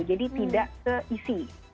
jadi tidak ke isi